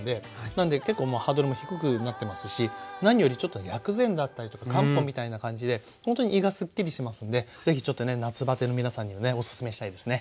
なんで結構もうハードルも低くなってますし何よりちょっと薬膳だったりとか漢方みたいな感じでほんとに胃がすっきりしますんでぜひちょっとね夏バテの皆さんにはねオススメしたいですね。